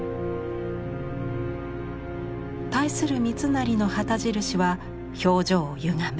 対する三成の旗印は表情をゆがめ